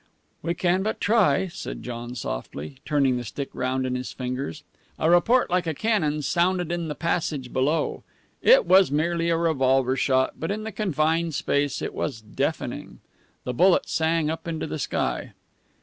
"We can but try," said John softly, turning the stick round in his fingers. A report like a cannon sounded in the passage below. It was merely a revolver shot, but in the confined space it was deafening. The bullet sang up into the sky.